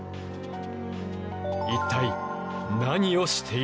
一体何をしているのか？